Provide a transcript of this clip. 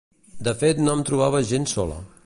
De fet no em trobava gens sola.